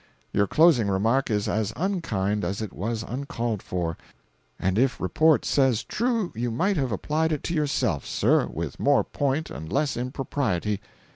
Your closing remark is as unkind as it was uncalled for; and if report says true you might have applied it to yourself, sir, with more point and less impropriety.